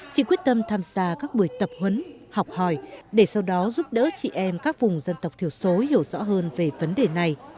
chị quyết tâm tham gia các buổi tập huấn học hỏi để sau đó giúp đỡ chị em các vùng dân tộc thiểu số hiểu rõ hơn về vấn đề này